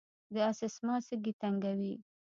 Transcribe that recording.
د اسثما سږي تنګوي.